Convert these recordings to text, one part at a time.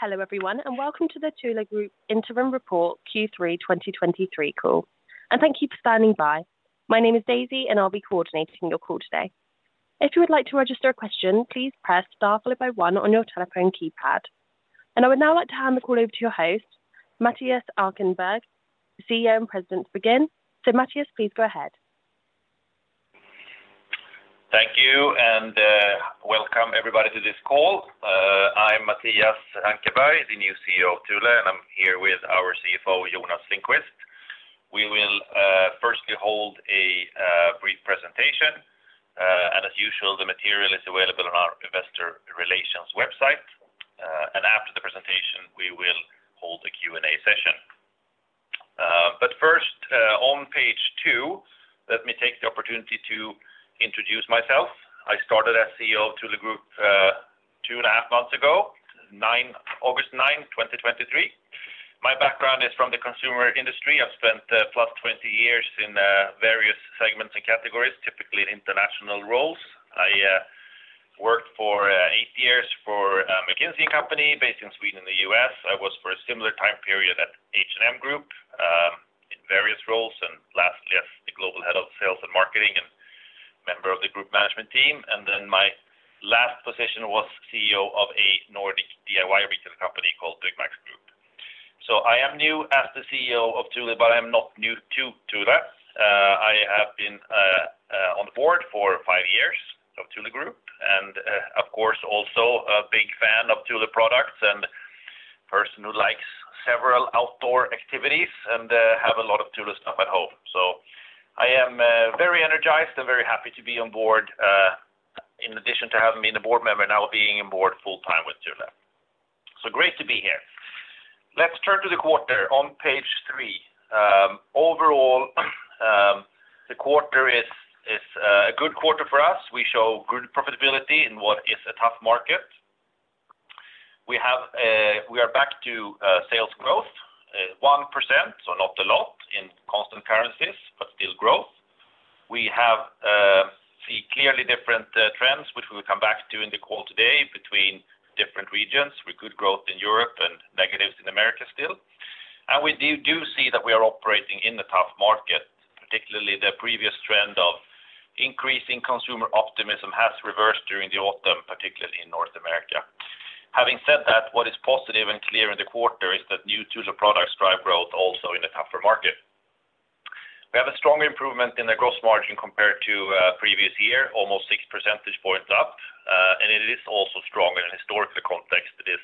Hello everyone and welcome to the Thule Group Interim Report Q3 2023 call. Thank you for standing by. My name is Daisy, and I'll be coordinating your call today. If you would like to register a question, please press star followed by one on your telephone keypad. I would now like to hand the call over to your host, Mattias Ankarberg, CEO and President of Thule Group. Mattias, please go ahead. Thank you and welcome everybody to this call. I'm Mattias Ankarberg, the new CEO of Thule, and I'm here with our CFO, Jonas Lindqvist. We will firstly hold a brief presentation, and as usual, the material is available on our investor relations website. After the presentation, we will hold a Q&A session. First, on page two, let me take the opportunity to introduce myself. I started as CEO Thule Group two and a half months ago, August 9, 2023. My background is from the consumer industry. I've spent +20 years in various segments and categories, typically in international roles. I worked for eight years for McKinsey & Company, based in Sweden, in the U.S. I was for a similar time period at H&M Group in various roles. And lastly, as the Global Head of Sales and Marketing and member of the group management team. And then my last position was CEO of a Nordic DIY retail company called Byggmax Group. So I am new as the CEO of Thule, but I am not new to Thule. I have been on the board for five years of Thule Group, and of course, also a big fan of Thule products and person who likes several outdoor activities and have a lot of Thule stuff at home. So I am very energized and very happy to be on board, in addition to having been a board member, now being on board full-time with Thule. So great to be here. Let's turn to the quarter on page three. Overall, the quarter is a good quarter for us. We show good profitability in what is a tough market. We are back to sales growth, 1%, so not a lot in constant currencies, but still growth. We see clearly different trends, which we will come back to in the call today, between different regions, with good growth in Europe and negatives in Americas still. And we see that we are operating in a tough market, particularly the previous trend of increasing consumer optimism has reversed during the autumn, particularly in North America. Having said that, what is positive and clear in the quarter is that new Thule products drive growth also in a tougher market. We have a strong improvement in the gross margin compared to previous year, almost six percentage points up, and it is also strong in a historical context. It is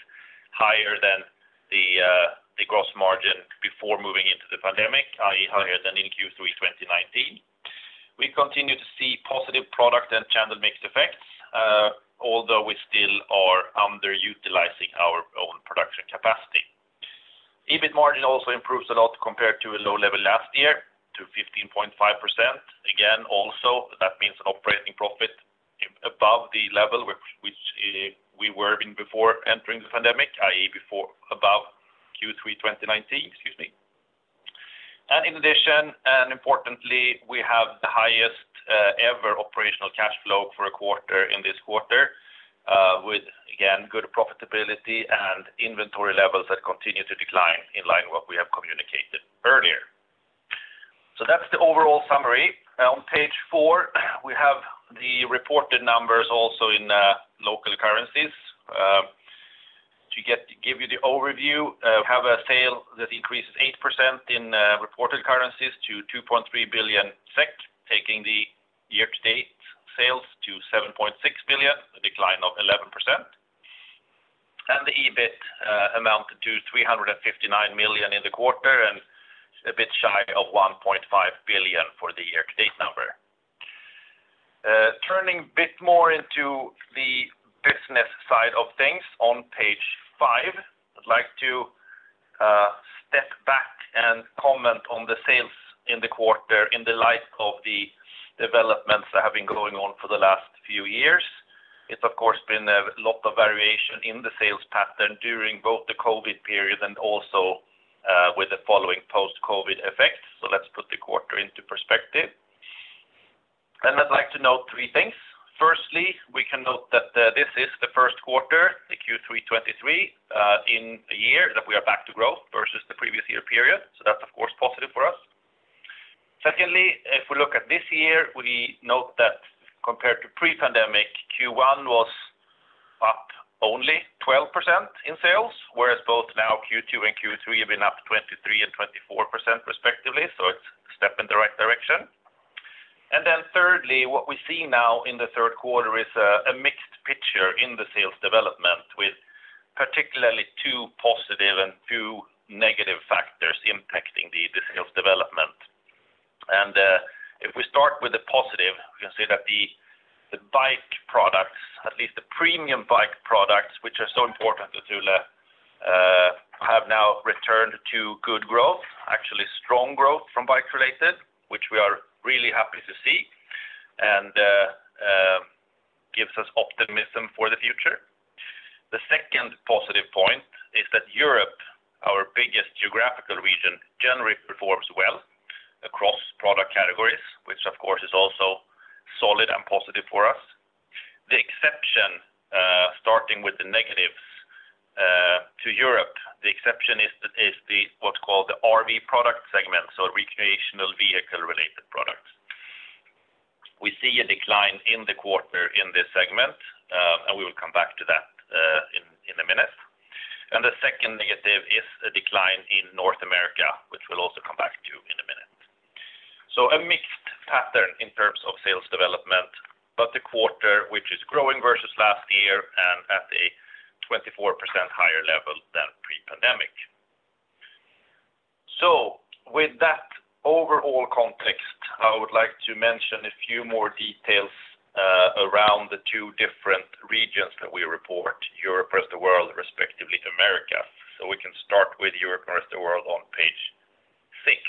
higher than the gross margin before moving into the pandemic, i.e., higher than in Q3 2019. We continue to see positive product and channel mixed effects, although we still are underutilizing our own production capacity. EBIT margin also improves a lot compared to a low level last year to 15.5%. Again, also, that means operating profit above the level which we were in before entering the pandemic, i.e., before, above Q3 2019, excuse me. In addition, and importantly, we have the highest ever operational cash flow for a quarter in this quarter, with, again, good profitability and inventory levels that continue to decline in line with what we have communicated earlier. So that's the overall summary. On page four, we have the reported numbers also in local currencies. To get, to give you the overview, we have sales that increase 8% in reported currencies to 2.3 billion SEK, taking the year to date sales to 7.6 billion, a decline of 11%. And the EBIT amounted to 359 million in the quarter and a bit shy of 1.5 billion for the year to date number. Turning a bit more into the business side of things on page five, I'd like to step back and comment on the sales in the quarter in the light of the developments that have been going on for the last few years. It's, of course, been a lot of variation in the sales pattern during both the COVID period and also with the following post-COVID effects. So let's put the quarter into perspective. I'd like to note three things. Firstly, we can note that this is the first quarter, the Q3 2023, in a year, that we are back to growth versus the previous year period. So that's, of course, positive for us. Secondly, if we look at this year, we note that compared to pre-pandemic, Q1 was up only 12% in sales, whereas both now Q2 and Q3 have been up 23% and 24% respectively, so it's a step in the right direction. And then thirdly, what we see now in the third quarter is a mixed picture in the sales development, with particularly two positive and two negative factors impacting the sales development. And, if we start with the positive, we can say that the bike products, at least the premium bike products, which are so important to Thule, have now returned to good growth, actually strong growth from bikes related, which we are really happy to see, and, gives us optimism for the future. The second positive point is that Europe, our biggest geographical region generally performs well across product categories, which of course, is also solid and positive for us. The exception, starting with the negatives, to Europe, the exception is the what's called the RV product segment, so recreational vehicle-related products. We see a decline in the quarter in this segment, and we will come back to that, in a minute. And the second negative is a decline in North America, which we'll also come back to in a minute. So a mixed pattern in terms of sales development, but the quarter, which is growing versus last year and at a 24% higher level than pre-pandemic. So with that overall context, I would like to mention a few more details, around the two different regions that we report, Europe, Rest of the World, respectively, America. So we can start with Europe, Rest of the World on page six.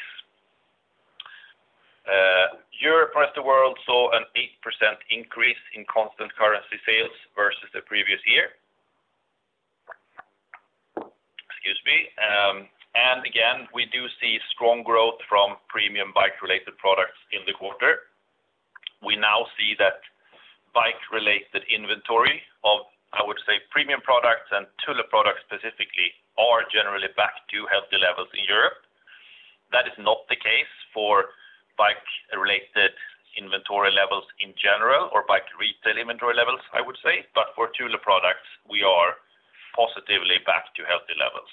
Europe, Rest of the World, saw an 8% increase in constant currency sales versus the previous year. Excuse me. And again, we do see strong growth from premium bike-related products in the quarter. We now see that bike-related inventory of, I would say, premium products and Thule products specifically, are generally back to healthy levels in Europe. That is not the case for bike-related inventory levels in general, or bike retail inventory levels, I would say. But for Thule products, we are positively back to healthy levels.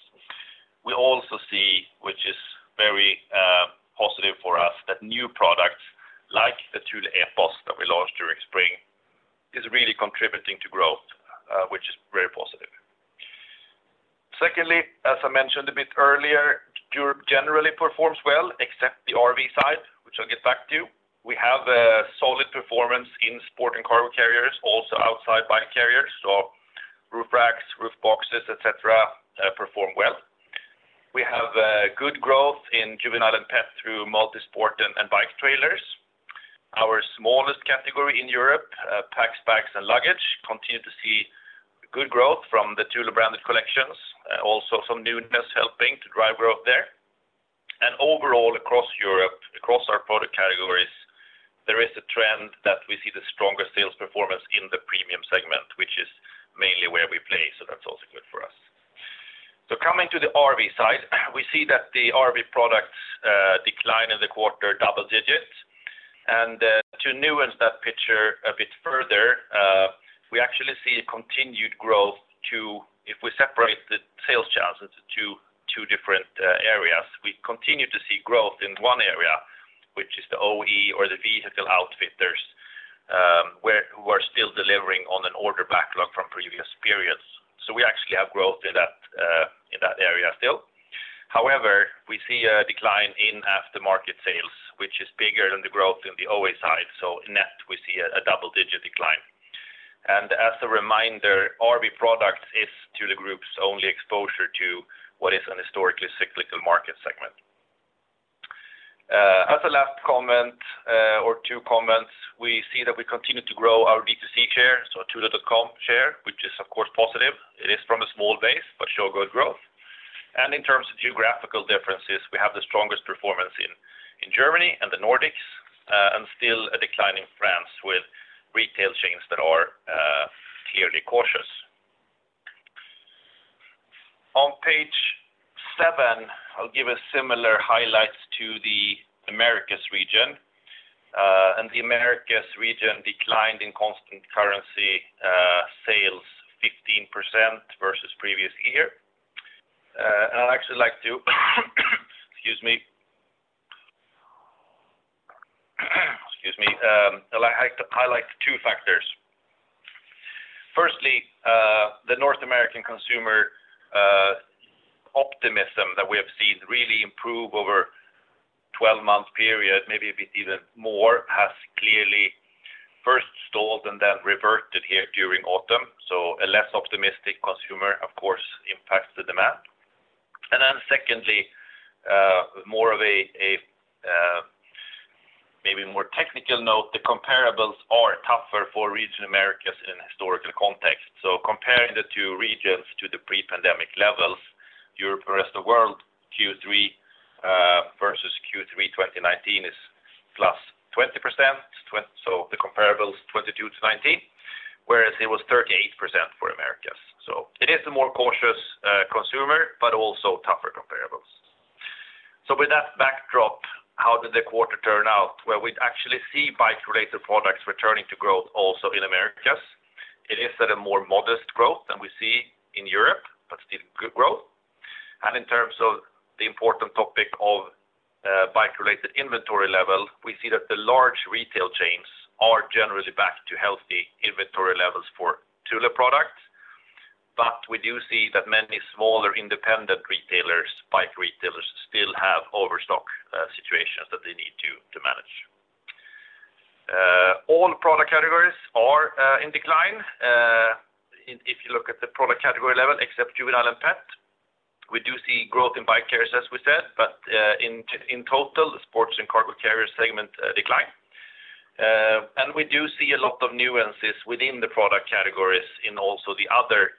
We also see, which is very positive for us, that new products like the Thule Arcos that we launched during spring, is really contributing to growth, which is very positive. Secondly, as I mentioned a bit earlier, Europe generally performs well, except the RV side, which I'll get back to. We have a solid performance in sport and cargo carriers, also outside bike carriers, so roof racks, roof boxes, et cetera, perform well. We have a good growth in Juvenile and Pet through multisport and bike trailers. Our smallest category in Europe, packs, bags, and luggage, continue to see good growth from the Thule branded collections, also some newness helping to drive growth there. And overall, across Europe, across our product categories, there is a trend that we see the strongest sales performance in the premium segment, which is mainly where we play, so that's also good for us. So coming to the RV side, we see that the RV products decline in the quarter double digits. And, to nuance that picture a bit further, we actually see a continued growth too, if we separate the sales channels into two different areas, we continue to see growth in one area, which is the OE or the vehicle outfitters, where we're still delivering on an order backlog from previous periods. So we actually have growth in that area still. However, we see a decline in aftermarket sales, which is bigger than the growth in the OE side. So net, we see a double-digit decline. And as a reminder, RV products is the group's only exposure to what is a historically cyclical market segment. As a last comment, or two comments, we see that we continue to grow our B2C share, so our Thule.com share, which is, of course, positive. It is from a small base, but show good growth. In terms of geographical differences, we have the strongest performance in Germany and the Nordics, and still a decline in France with retail chains that are clearly cautious. On page seven, I'll give a similar highlights to the Americas region. The Americas region declined in constant currency sales 15% versus previous year. I'd actually like to highlight two factors. Firstly, the North American consumer optimism that we have seen really improve over 12-month period, maybe a bit even more, has clearly first stalled and then reverted here during autumn. A less optimistic consumer, of course, impacts the demand. And then secondly, more of a, maybe more technical note, the comparables are tougher for region Americas in a historical context. So comparing the two regions to the pre-pandemic levels, Europe, Rest of the World, Q3 versus Q3 2019 is +20%, so the comparable is 2022-2019, whereas it was 38% for Americas. So it is a more cautious consumer, but also tougher comparables. So with that backdrop, how did the quarter turn out? Well, we'd actually see bike-related products returning to growth also in Americas. It is at a more modest growth than we see in Europe, but still good growth. And in terms of the important topic of bike-related inventory level, we see that the large retail chains are generally back to healthy inventory levels for Thule products. We do see that many smaller independent retailers, bike retailers, still have overstock situations that they need to manage. All product categories are in decline, if you look at the product category level, except Juvenile and Pet. We do see growth in bike carriers, as we said, but in total, the sports and cargo carrier segment decline. We do see a lot of nuances within the product categories in also the other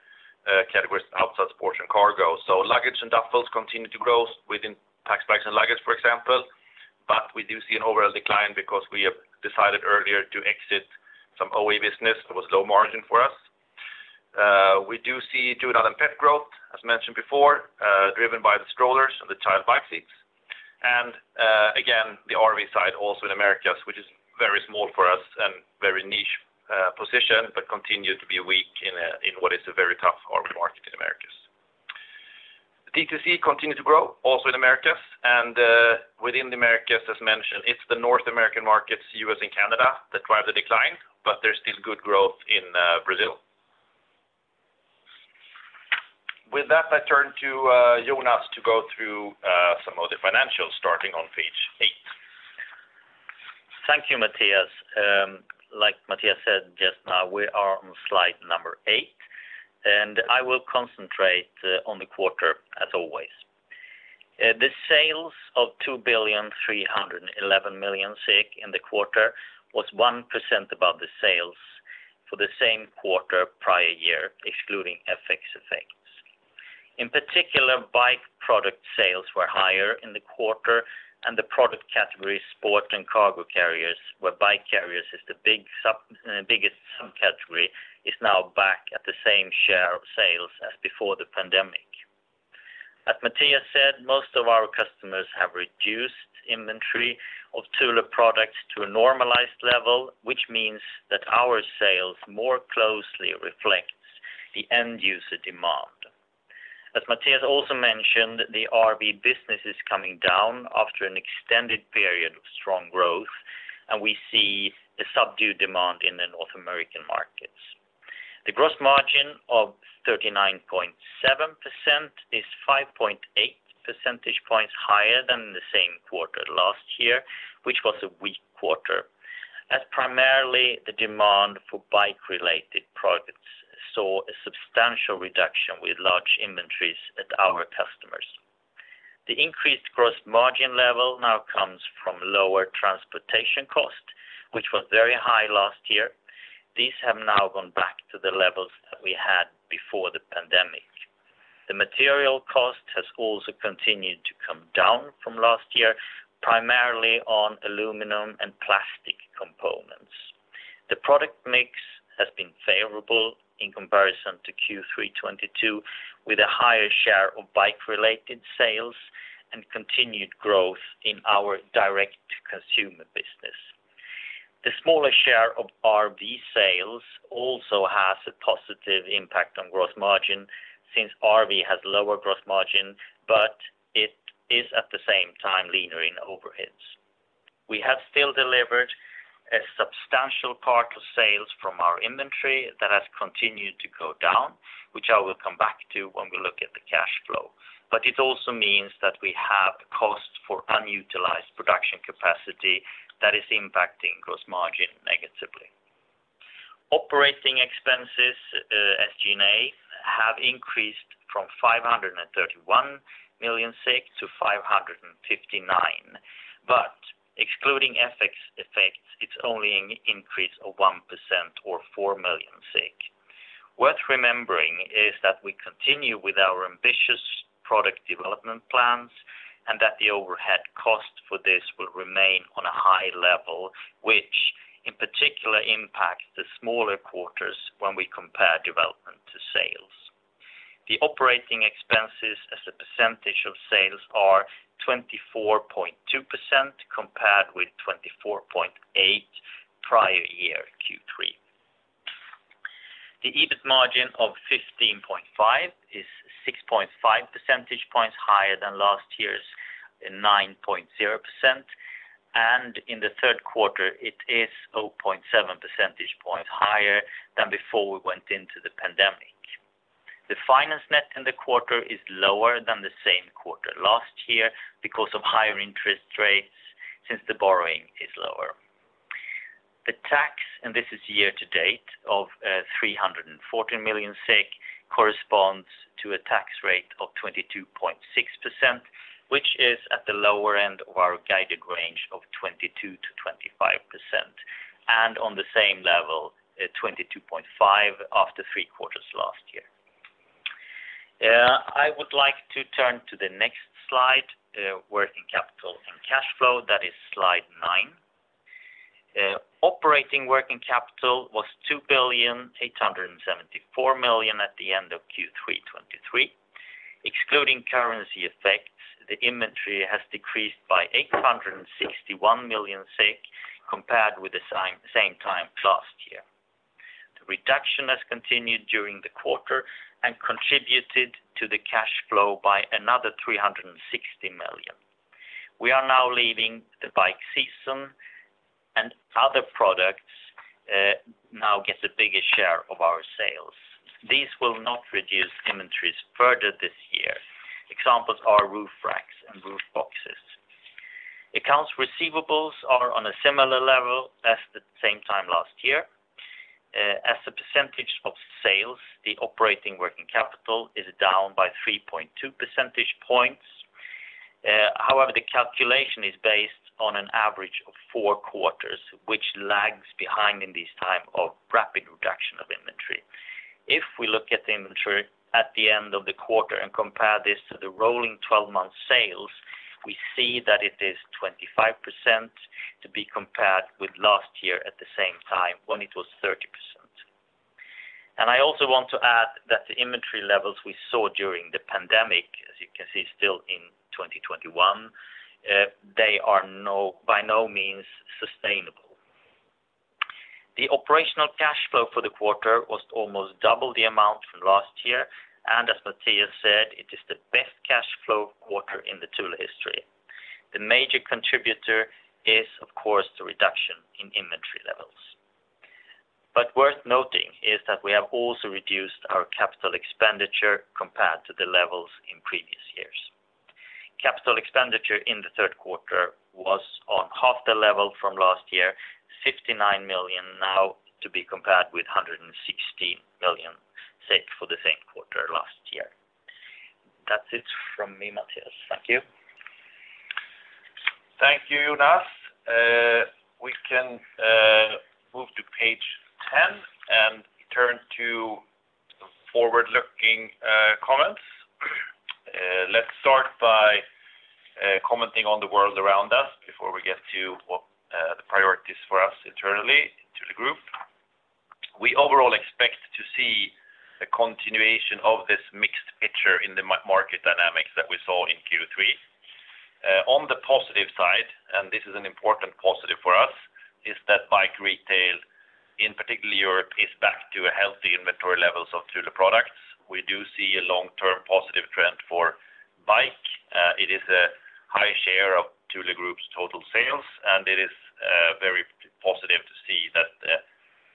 categories outside sport and cargo. Luggage and duffels continue to grow within packs, bags and luggage, for example, but we do see an overall decline because we have decided earlier to exit some OE business that was low margin for us. We do see [Juvenile and] pet growth, as mentioned before, driven by the strollers and the child bike seats. Again, the RV side, also in Americas, which is very small for us and very niche position, but continues to be weak in what is a very tough RV market in Americas. DTC continues to grow, also in Americas, and, within the Americas, as mentioned, it's the North American markets, U.S. and Canada, that drive the decline, but there's still good growth in Brazil. With that, I turn to Jonas to go through some of the financials, starting on page eight. Thank you, Mattias. Like Mattias said, just now, we are on slide number eight, and I will concentrate on the quarter as always. The sales of 2,311 million in the quarter was 1% above the sales for the same quarter prior year, excluding FX effects. In particular, bike product sales were higher in the quarter, and the product category, sport and cargo carriers, where bike carriers is the biggest subcategory, is now back at the same share of sales as before the pandemic. As Mattias said, most of our customers have reduced inventory of Thule products to a normalized level, which means that our sales more closely reflects the end user demand. As Mattias also mentioned, the RV business is coming down after an extended period of strong growth, and we see the subdued demand in the North American markets. The gross margin of 39.7% is 5.8 percentage points higher than the same quarter last year, which was a weak quarter, as primarily the demand for bike-related products saw a substantial reduction with large inventories at our customers. The increased gross margin level now comes from lower transportation cost, which was very high last year. These have now gone back to the levels that we had before the pandemic. The material cost has also continued to come down from last year, primarily on aluminum and plastic components. The product mix has been favorable in comparison to Q3 2022, with a higher share of bike-related sales and continued growth in our direct consumer business. The smaller share of RV sales also has a positive impact on gross margin, since RV has lower gross margin, but it is at the same time, leaner in overheads. We have still delivered a substantial part of sales from our inventory that has continued to go down, which I will come back to when we look at the cash flow. But it also means that we have costs for unutilized production capacity that is impacting gross margin negatively. Operating expenses, SG&A, have increased from 531 million-559 million, but excluding FX effects, it's only an increase of 1% or 4 million. Worth remembering is that we continue with our ambitious Product Development plans and that the overhead cost for this will remain on a high level, which in particular impacts the smaller quarters when we compare development to sales. The operating expenses as a percentage of sales are 24.2%, compared with 24.8 prior year Q3. The EBIT margin of 15.5 is 6.5 percentage points higher than last year's 9.0%, and in the third quarter, it is 0.7 percentage points higher than before we went into the pandemic. The finance net in the quarter is lower than the same quarter last year because of higher interest rates since the borrowing is lower. The tax, and this is year to date, of 314 million, corresponds to a tax rate of 22.6%, which is at the lower end of our guided range of 22%-25%, and on the same level, at 22.5% after three quarters last year. I would like to turn to the next slide, working capital and cash flow, that is slide nine. Operating working capital was 2,874 million at the end of Q3 2023. Excluding currency effects, the inventory has decreased by 861 million, compared with the same time last year. The reduction has continued during the quarter and contributed to the cash flow by another 360 million. We are now leaving the bike season and other products now get the biggest share of our sales. These will not reduce inventories further this year. Examples are roof racks and roof boxes. Accounts receivables are on a similar level as the same time last year. As a percentage of sales, the operating working capital is down by 3.2 percentage points. However, the calculation is based on an average of 4 quarters, which lags behind in this time of rapid reduction of inventory. If we look at the inventory at the end of the quarter and compare this to the rolling 12-month sales, we see that it is 25% to be compared with last year at the same time when it was 30%. I also want to add that the inventory levels we saw during the pandemic, as you can see, still in 2021, they are by no means sustainable. The operational cash flow for the quarter was almost double the amount from last year, and as Mattias said, it is the best cash flow quarter in the Thule history. The major contributor is, of course, the reduction in inventory levels. But worth noting is that we have also reduced our capital expenditure compared to the levels in previous years. Capital expenditure in the third quarter was on half the level from last year, 59 million now, to be compared with 160 million for the same quarter last year. That's it from me, Mattias. Thank you. Thank you, Jonas. We can move to page 10 and turn to the forward-looking comments. Let's start by commenting on the world around us before we get to what the priorities for us internally to the group. We overall expect to see a continuation of this mixed picture in the market dynamics that we saw in Q3. On the positive side, and this is an important positive for us, is that bike retail, in particularly Europe, is back to a healthy inventory levels of Thule products. We do see a long-term positive trend for bike. It is a high share of Thule Group's total sales, and it is very positive to see that the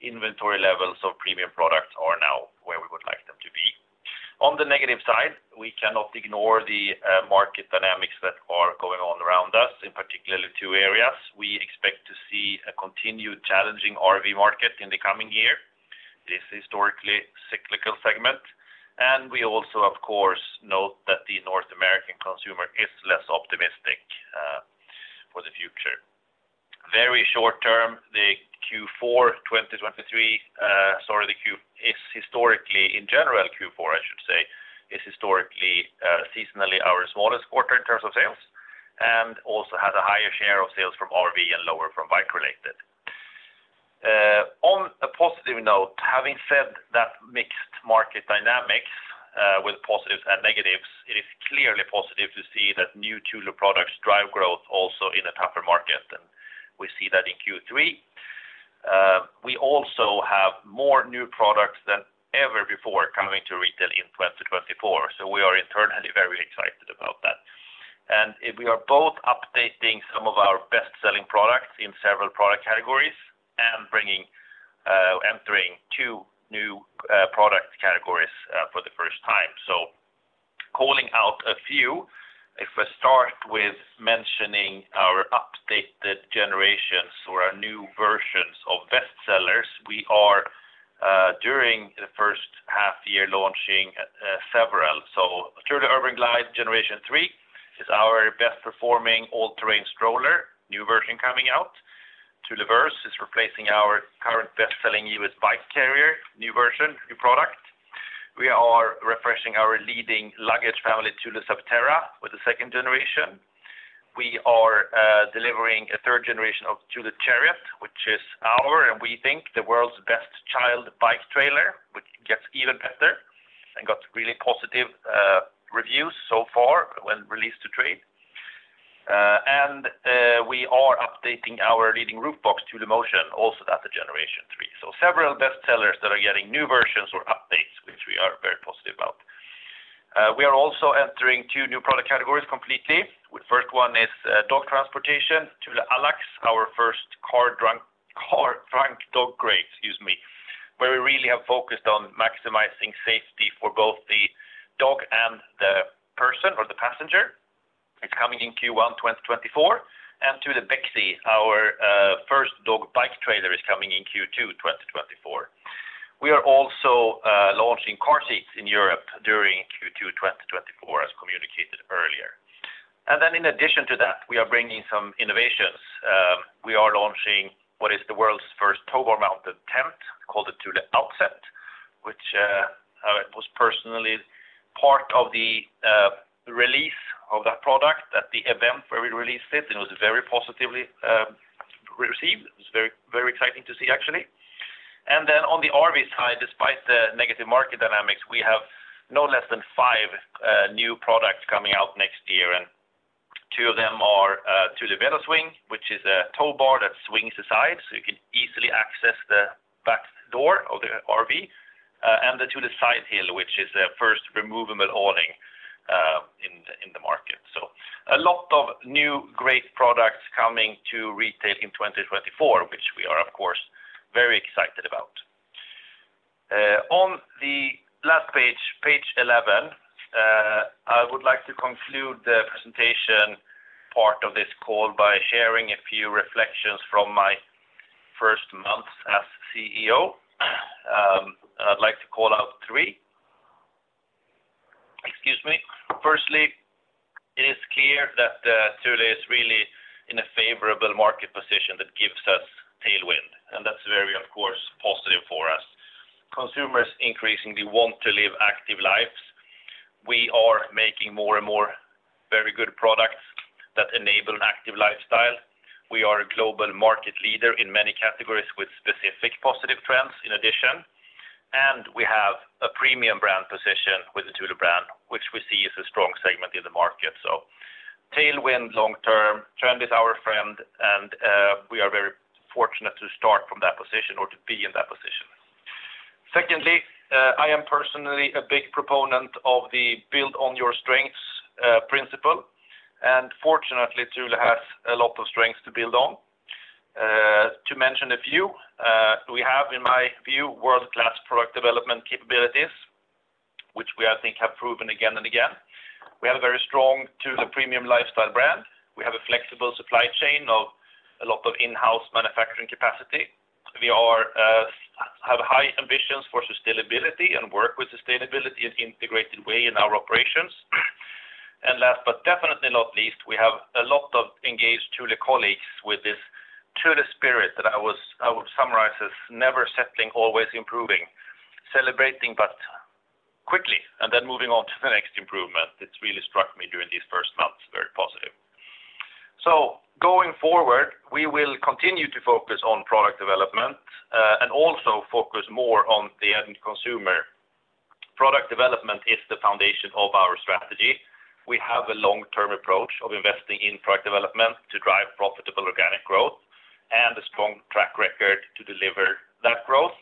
inventory levels of premium products are now where we would like them to be. On the negative side, we cannot ignore the market dynamics that are going on around us, in particularly two areas. We expect to see a continued challenging RV market in the coming year, this historically cyclical segment, and we also, of course, note that the North American consumer is less optimistic for the future. Very short term, the Q4 2023 is historically, in general, Q4, I should say, is historically, seasonally our smallest quarter in terms of sales, and also has a higher share of sales from RV and lower from bike related. On a positive note, having said that mixed market dynamics with positives and negatives, it is clearly positive to see that new Thule products drive growth also in a tougher market, and we see that in Q3. We also have more new products than ever before coming to retail in 2024, so we are internally very excited about that. We are both updating some of our best-selling products in several product categories and bringing, entering two new, product categories, for the first time. Calling out a few, if we start with mentioning our updated generations or our new versions of best sellers, we are, during the first half year, launching, several. Thule Urban Glide 3 is our best-performing all-terrain stroller, new version coming out. Thule Verse is replacing our current best-selling U.S. bike carrier, new version, new product. We are refreshing our leading luggage family, Thule Subterra, with the second generation. We are delivering a 3rd generation of Thule Chariot, which is our, and we think the world's best child bike trailer, which gets even better and got really positive reviews so far when released to trade. And we are updating our leading roof box, Thule Motion, also that's a generation three. So several best sellers that are getting new versions or updates, which we are very positive about. We are also entering two new product categories completely. The first one is dog transportation, Thule Allax, our first car trunk, car trunk dog crate, excuse me, where we really have focused on maximizing safety for both the dog and the person or the passenger. It's coming in Q1 2024, and Thule Bexey, our first dog bike trailer is coming in Q2 2024. We are also launching car seats in Europe during Q2 2024, as communicated earlier. And then in addition to that, we are bringing some innovations. We are launching what is the world's first towbar-mounted tent, called the Thule Outset, which I was personally part of the release of that product at the event where we released it, and it was very positively received. It was very, very exciting to see, actually. And then on the RV side, despite the negative market dynamics, we have no less than five new products coming out next year, and two of them are Thule VeloSwing, which is a towbar that swings aside, so you can easily access the back door of the RV, and the Thule Sidehill, which is a first removable awning in the market. A lot of new great products coming to retail in 2024, which we are, of course, very excited about. On the last page, page 11, I would like to conclude the presentation part of this call by sharing a few reflections from my first month as CEO. I'd like to call out three. Excuse me. Firstly, it is clear that Thule is really in a favorable market position that gives us tailwind, and that's very, of course, positive for us. Consumers increasingly want to live active lives. We are making more and more very good products that enable an active lifestyle. We are a global market leader in many categories with specific positive trends in addition, and we have a premium brand position with the Thule brand, which we see as a strong segment in the market. So tailwind long term, trend is our friend, and we are very fortunate to start from that position or to be in that position. Secondly, I am personally a big proponent of the build on your strengths principle, and fortunately, Thule has a lot of strengths to build on. To mention a few, we have, in my view, world-class Product Development capabilities, which we, I think, have proven again and again. We have a very strong Thule premium lifestyle brand. We have a flexible supply chain of a lot of in-house manufacturing capacity. We have high ambitions for sustainability and work with sustainability in an integrated way in our operations. Last, but definitely not least, we have a lot of engaged Thule Colleagues with this Thule Spirit that I would summarize as never settling, always improving, celebrating, but quickly, and then moving on to the next improvement. It's really struck me during these first months, very positive. So going forward, we will continue to focus on Product Development, and also focus more on the end consumer. Product Development is the foundation of our strategy. We have a long-term approach of investing in Product Development to drive profitable organic growth and a strong track record to deliver that growth,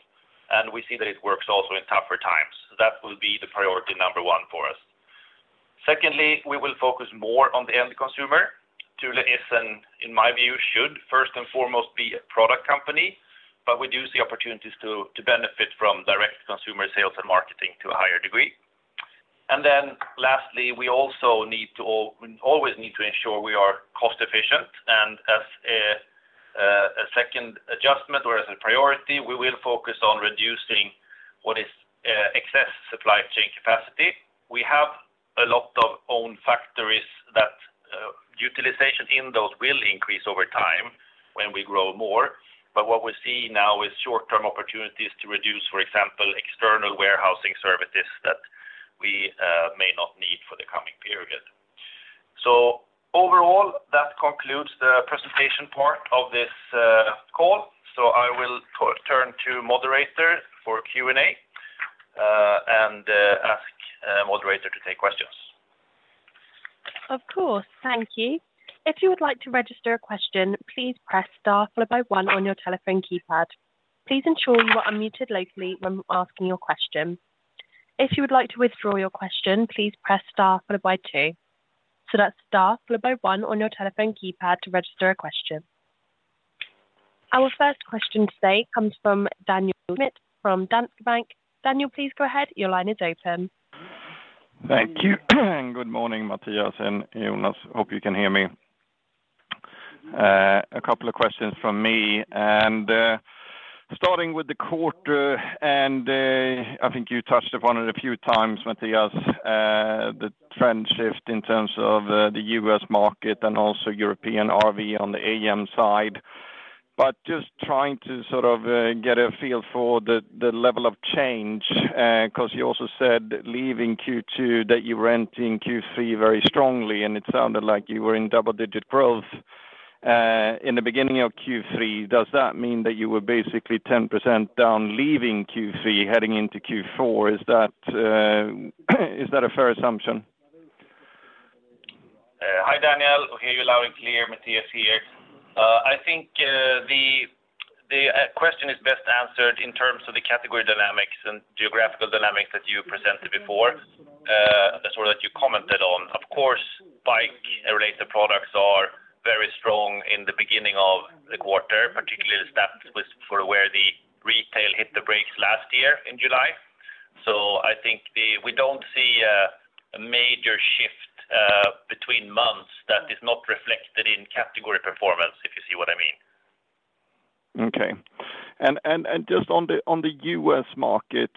and we see that it works also in tougher times. That will be the priority number one for us. Secondly, we will focus more on the end consumer. Thule is, and in my view, should, first and foremost, be a product company, but we'd use the opportunities to benefit from direct consumer sales and marketing to a higher degree. And then lastly, we also need to always need to ensure we are cost efficient, and as a second adjustment or as a priority, we will focus on reducing what is excess supply chain capacity. We have a lot of own factories that utilization in those will increase over time when we grow more. But what we see now is short-term opportunities to reduce, for example, external warehousing services that we may not need for the coming period. So overall, that concludes the presentation part of this call. So I will turn to moderator for Q&A and ask moderator to take questions. Of course. Thank you. If you would like to register a question, please press star followed by one on your telephone keypad. Please ensure you are unmuted locally when asking your question. If you would like to withdraw your question, please press star followed by two. So that's star followed by one on your telephone keypad to register a question. Our first question today comes from Daniel Schmidt from Danske Bank. Daniel, please go ahead. Your line is open. Thank you. Good morning, Mattias and Jonas. Hope you can hear me. A couple of questions from me, and starting with the quarter, and I think you touched upon it a few times, Mattias, the trend shift in terms of the U.S. market and also European RV on the AM side. But just trying to sort of get a feel for the level of change, because you also said leaving Q2, that you were entering Q3 very strongly, and it sounded like you were in double-digit growth in the beginning of Q3. Does that mean that you were basically 10% down, leaving Q3, heading into Q4? Is that a fair assumption? Hi, Daniel. I hear you loud and clear, Mattias here. I think the question is best answered in terms of the category dynamics and geographical dynamics that you presented before, or that you commented on. Of course, bike-related products are very strong in the beginning of the quarter, particularly the steps with for where the retail hit the brakes last year in July. So I think we don't see a major shift between months that is not reflected in category performance, if you see what I mean. Okay. Just on the U.S. market,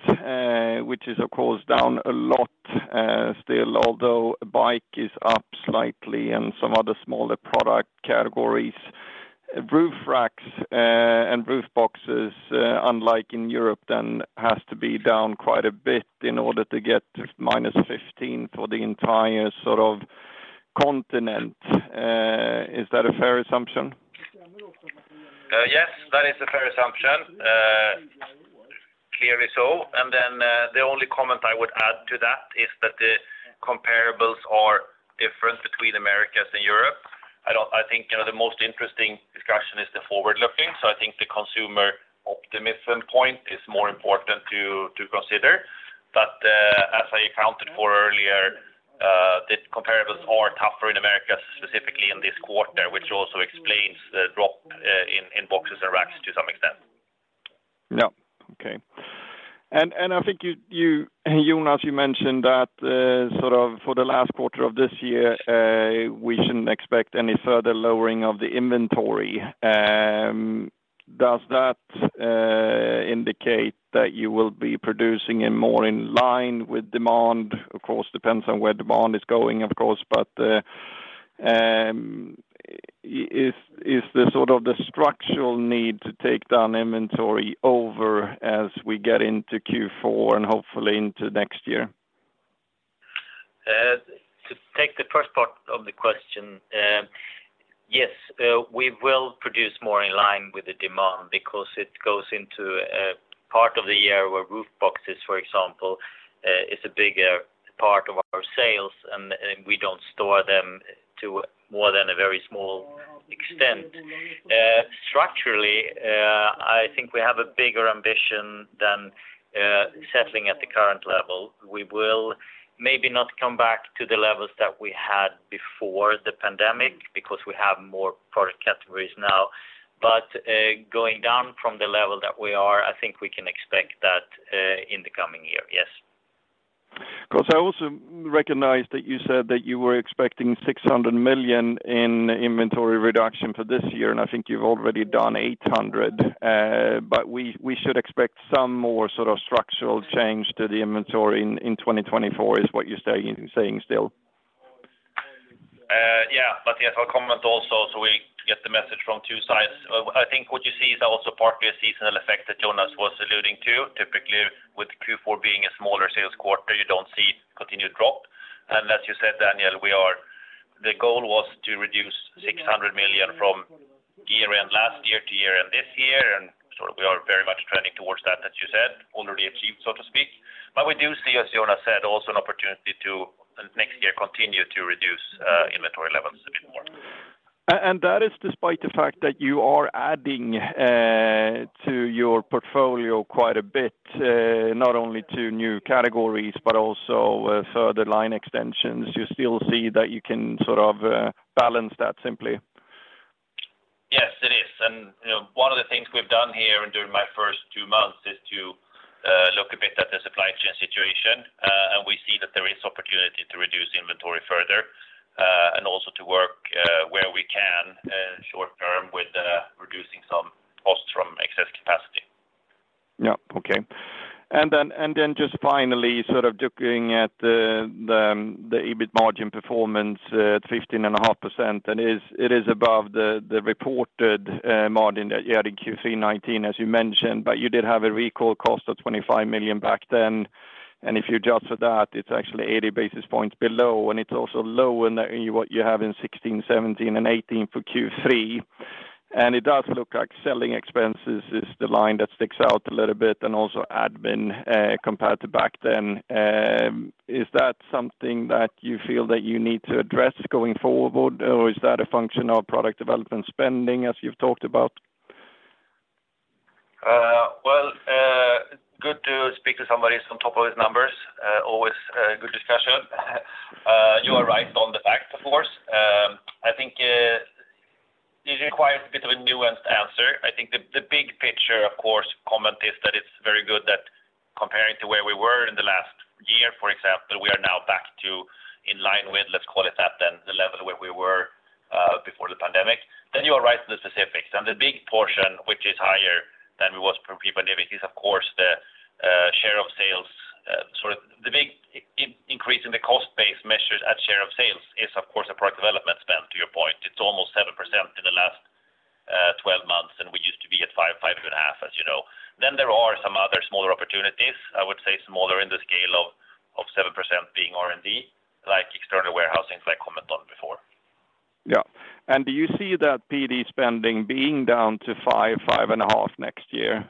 which is, of course, down a lot, still, although bike is up slightly and some other smaller product categories, roof racks, and roof boxes, unlike in Europe, then, has to be down quite a bit in order to get -15 for the entire sort of continent. Is that a fair assumption? Yes, that is a fair assumption, clearly so. And then, the only comment I would add to that is that the comparables are different between Americas and Europe. I don't. I think, you know, the most interesting discussion is the forward-looking, so I think the consumer optimism point is more important to consider. But, as I accounted for earlier, the comparables are tougher in Americas, specifically in this quarter, which also explains the drop in boxes and racks to some extent. Yeah. Okay. And I think you, Jonas, you mentioned that sort of for the last quarter of this year, we shouldn't expect any further lowering of the inventory. Does that indicate that you will be producing more in line with demand? Of course, depends on where demand is going, of course, but is the sort of structural need to take down inventory over as we get into Q4 and hopefully into next year? To take the first part of the question, yes, we will produce more in line with the demand because it goes into a part of the year where roof boxes, for example, is a bigger part of our sales, and, and we don't store them to more than a very small extent. Structurally, I think we have a bigger ambition than settling at the current level. We will maybe not come back to the levels that we had before the pandemic, because we have more product categories now. But, going down from the level that we are, I think we can expect that, in the coming year, yes. Of course, I also recognize that you said that you were expecting 600 million in inventory reduction for this year, and I think you've already done 800 million. But we should expect some more sort of structural change to the inventory in 2024, is what you're saying still? Yeah. But yes, I'll comment also, so we get the message from two sides. I think what you see is also partly a seasonal effect that Jonas was alluding to. Typically, with Q4 being a smaller sales quarter, you don't see continued drop. And as you said, Daniel, we are, the goal was to reduce 600 million from year-end last year to year-end this year, and so we are very much trending towards that, as you said, already achieved, so to speak. But we do see, as Jonas said, also an opportunity to, next year, continue to reduce, inventory levels a bit more. And that is despite the fact that you are adding to your portfolio quite a bit, not only to new categories, but also further line extensions. You still see that you can sort of balance that simply? Yes, it is. And, you know, one of the things we've done here during my first two months is to look a bit at the supply chain situation, and we see that there is opportunity to reduce inventory further, and also to work, where we can, short term with reducing some costs from excess capacity. Yeah. Okay. And then just finally, sort of looking at the EBIT margin performance at 15.5%, and it is above the reported margin that you had in Q3 2019, as you mentioned, but you did have a recall cost of 25 million back then. And if you adjust for that, it's actually 80 basis points below, and it's also low in what you have in 2016, 2017, and 2018 for Q3. And it does look like selling expenses is the line that sticks out a little bit, and also admin compared to back then. Is that something that you feel that you need to address going forward, or is that a function of Product Development spending, as you've talked about? Well, good to speak to somebody who's on top of his numbers. Always good discussion. You are right on the fact, of course. I think it requires a bit of a nuanced answer. I think the big picture, of course, comment is that it's very good that comparing to where we were in the last year, for example, we are now back to in line with, let's call it that then, the level where we were before the pandemic. Then you are right to the specifics. And the big portion, which is higher than it was pre-pandemic, is, of course, the share of sales. Sort of the big increase in the cost base measured at share of sales is, of course, a Product Development spend, to your point. It's almost 7% in the last 12 months, and we used to be at 5.5%, as you know. Then there are some other smaller opportunities, I would say smaller in the scale of 7% being R&D, like external warehousing, like I commented on before. Yeah. Do you see that PD spending being down to 5.5% next year,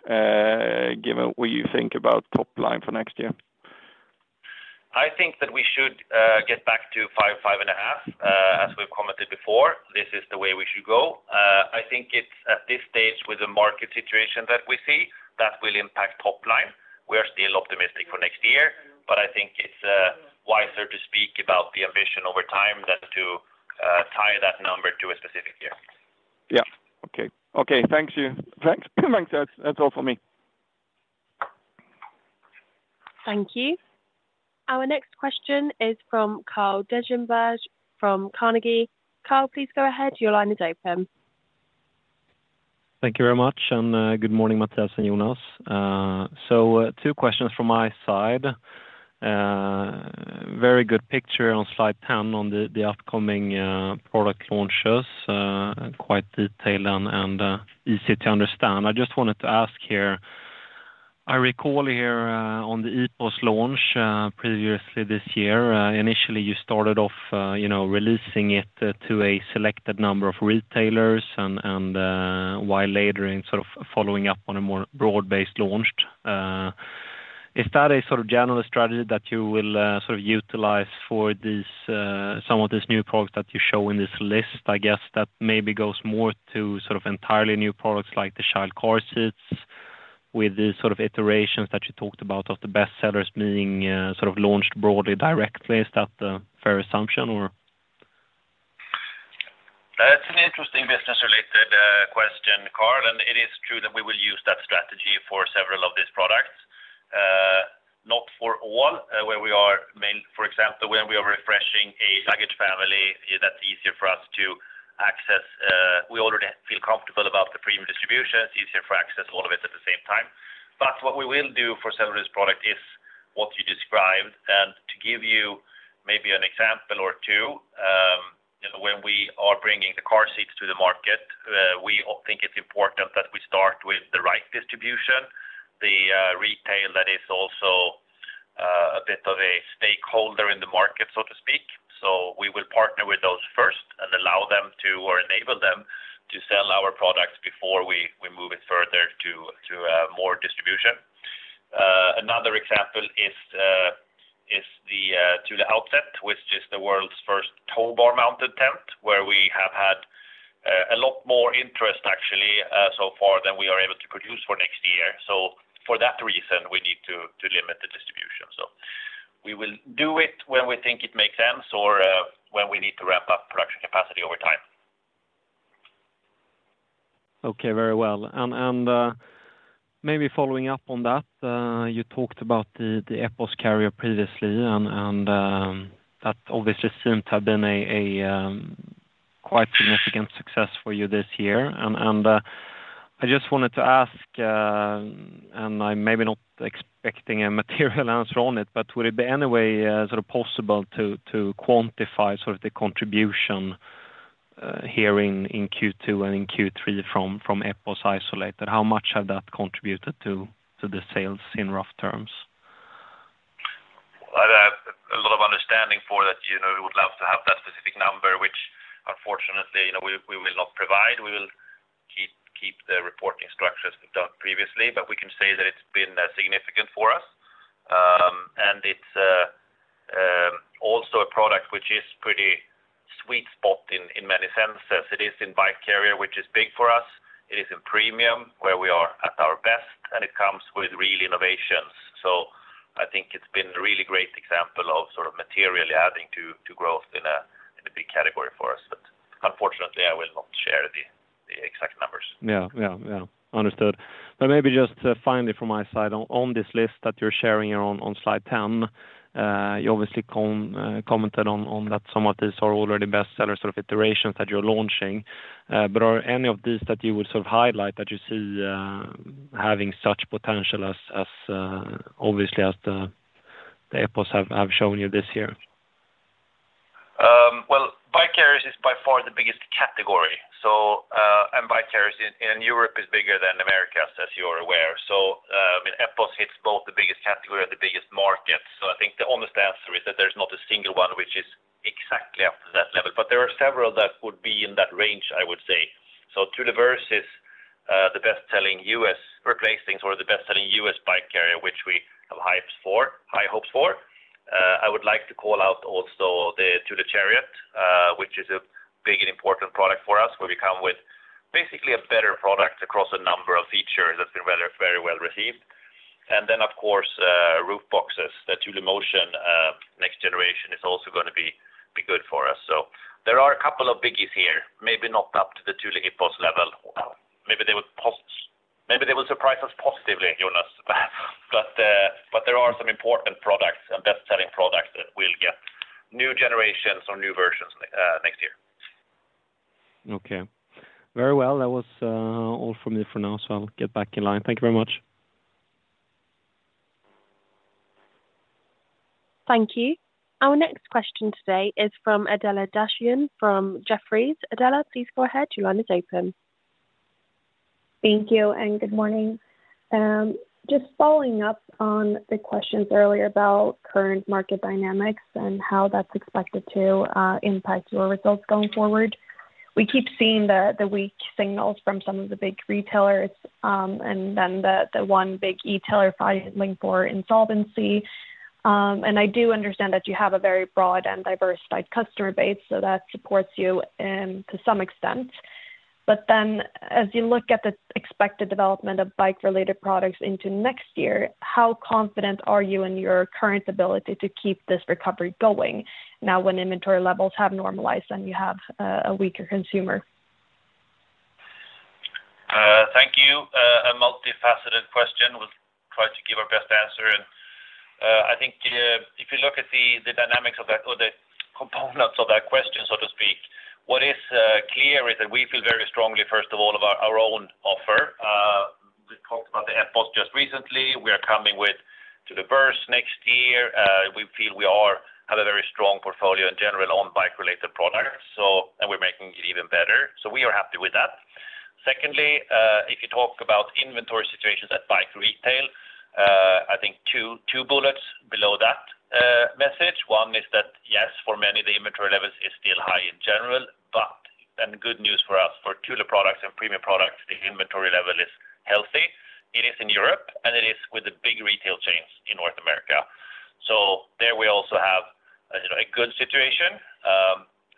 given what you think about top line for next year? I think that we should get back to 5.5%. As we've commented before, this is the way we should go. I think it's at this stage with the market situation that we see, that will impact top line. We are still optimistic for next year, but I think it's wiser to speak about the ambition over time than to tie that number to a specific year. Yeah. Okay. Okay, thank you. Thanks, thanks. That's, that's all for me. Thank you. Our next question is from Carl Deijenberg from Carnegie. Carl, please go ahead. Your line is open. Thank you very much, and good morning, Mattias and Jonas. So, two questions from my side. Very good picture on slide 10 on the upcoming product launches, quite detailed and easy to understand. I just wanted to ask here. I recall here on the Epos launch, previously this year, initially you started off, you know, releasing it to a selected number of retailers and while later in sort of following up on a more broad-based launch. Is that a sort of general strategy that you will sort of utilize for these some of these new products that you show in this list? I guess that maybe goes more to sort of entirely new products like the child car seats, with these sort of iterations that you talked about of the best sellers being sort of launched broadly, directly. Is that a fair assumption, or? That's an interesting business-related question, Carl, and it is true that we will use that strategy for several of these products. Not for all, for example, when we are refreshing a luggage family, that's easier for us to access. We already feel comfortable about the premium distribution. It's easier for access all of it at the same time. But what we will do for several of this product is what you described, and to give you maybe an example or two. You know, when we are bringing the car seats to the market, we think it's important that we start with the right distribution, the retail that is also a bit of a stakeholder in the market, so to speak. So we will partner with those first and allow them to, or enable them to sell our products before we, we move it further to, to more distribution. Another example is the Thule Outset, which is the world's first tow bar mounted tent, where we have had a lot more interest actually so far than we are able to produce for next year. So for that reason, we need to limit the distribution. So we will do it when we think it makes sense or when we need to wrap up production capacity over time. Okay, very well. And, maybe following up on that, you talked about the Epos carrier previously, and, that obviously seems to have been a quite significant success for you this year. And, I just wanted to ask, and I'm maybe not expecting a material answer on it, but would it be any way sort of possible to quantify sort of the contribution here in Q2 and in Q3 from Epos Isolated? How much have that contributed to the sales in rough terms? I'd have a lot of understanding for that. You know, we would love to have that specific number, which unfortunately, you know, we will not provide. We will keep the reporting structures we've done previously, but we can say that it's been significant for us. And it's also a product which is pretty sweet spot in many senses. It is in bike carrier, which is big for us. It is in premium, where we are at our best, and it comes with real innovations. So I think it's been a really great example of sort of materially adding to growth in a big category for us. But unfortunately, I will not share the exact numbers. Yeah, yeah, yeah. Understood. But maybe just finally from my side on this list that you're sharing on slide 10, you obviously commented on that some of these are already best sellers or iterations that you're launching. But are any of these that you would sort of highlight that you see having such potential as obviously as the Epos have shown you this year? Well, bike carriers is by far the biggest category. So, and bike carriers in Europe is bigger than Americas, as you are aware. So, I mean, Epos hits both the biggest category and the biggest market. So I think the honest answer is that there's not a single one which is exactly up to that level, but there are several that would be in that range, I would say. So Thule Verse is the best-selling U.S. replacing or the best-selling U.S. bike carrier, which we have high hopes for. I would like to call out also the Thule Chariot, which is a big and important product for us, where we come with basically a better product across a number of features that's been rather very well received. And then, of course, Roof Boxes, the Thule Motion, next generation is also gonna be good for us. So there are a couple of biggies here, maybe not up to the Thule Epos level. Maybe they will surprise us positively, Jonas, but there are some important products and best-selling products that will get new generations or new versions next year. Okay. Very well. That was all from me for now, so I'll get back in line. Thank you very much. Thank you. Our next question today is from Adela Dashian, from Jefferies. Adela, please go ahead, your line is open. Thank you, and good morning. Just following up on the questions earlier about current market dynamics and how that's expected to impact your results going forward. We keep seeing the weak signals from some of the big retailers, and then the one big e-tailer filing for insolvency. And I do understand that you have a very broad and diversified customer base, so that supports you to some extent. But then as you look at the expected development of bike-related products into next year, how confident are you in your current ability to keep this recovery going now when inventory levels have normalized and you have a weaker consumer? Thank you. A multifaceted question. We'll try to give our best answer, and I think, if you look at the dynamics of that or the components of that question, so to speak, what is clear is that we feel very strongly, first of all, about our own offer. We talked about the Epos just recently. We are coming with Thule Verse next year. We feel we are, have a very strong portfolio in general on bike-related products, so, and we're making it even better. So we are happy with that. Secondly, if you talk about inventory situations at bike retail, I think two bullets below that message. One is that, yes, for many, the inventory levels is still high in general, but then good news for us, for Thule products and premium products, the inventory level is healthy. It is in Europe, and it is with the big retail chains in North America. So there we also have a good situation.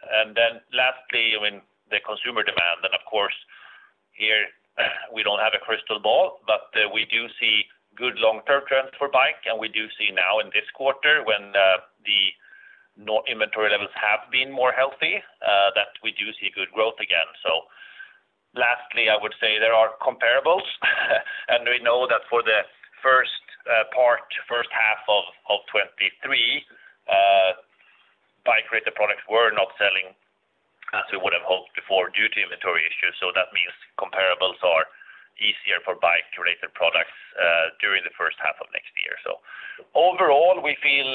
And then lastly, when the consumer demand, then of course, here we don't have a crystal ball, but we do see good long-term trends for bike, and we do see now in this quarter when the now inventory levels have been more healthy, that we do see good growth again. So lastly, I would say there are comparables, and we know that for the first part, first half of 2023, bike-related products were not selling as we would have hoped before due to inventory issues. So that means comparables are easier for bike-related products during the first half of next year. So overall, we feel